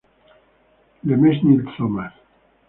Le Mesnil-Thomas